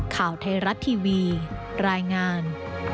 ข่าวไทยรัฐทีวีรายงาน